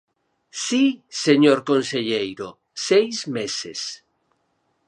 Si, señor conselleiro, seis meses.